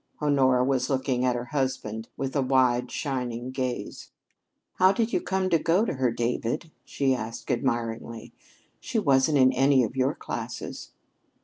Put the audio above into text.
Honora was looking at her husband with a wide, shining gaze. "How did you come to go to her, David?" she asked admiringly. "She wasn't in any of your classes."